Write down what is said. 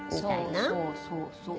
そうそうそうそう。